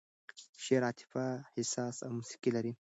شعر عاطفه، احساس او موسیقي لري.